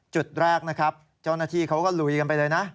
จุดแรกเจ้านาธิเขาก็ลุยกันไปเลยนะ